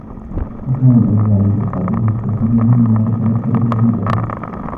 وَكَانَ الْأَوْزَاعِيُّ الْفَقِيهُ كَثِيرًا مَا يَتَمَثَّلُ بِهَذِهِ الْأَبْيَاتِ